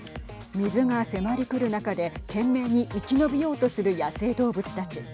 水が迫りくる中で懸命に生き延びようとする野生動物たち。